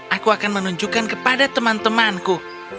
aku akan menunjukkan kepada teman temanku